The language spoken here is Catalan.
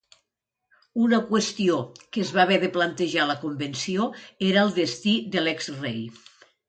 Una qüestió que es va haver de plantejar la Convenció era el destí de l'exrei.